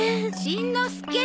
しんのすけ。